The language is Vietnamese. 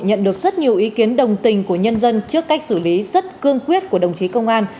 nhận được rất nhiều ý kiến đồng tình của nhân dân trước cách xử lý rất cương quyết của đồng chí công an